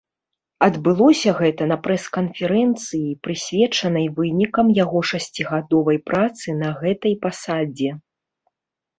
Адбылося гэта на прэс-канферэнцыі, прысвечанай вынікам яго шасцігадовай працы на гэтай пасадзе.